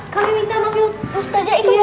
kami minta lamail ustazah itu